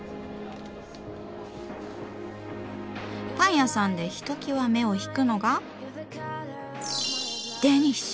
パン屋さんでひときわ目を引くのがデニッシュ！